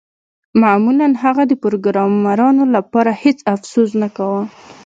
معمولاً هغه د پروګرامرانو لپاره هیڅ افسوس نه کاوه